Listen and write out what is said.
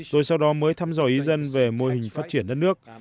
rồi sau đó mới thăm dò ý dân về mô hình phát triển đất nước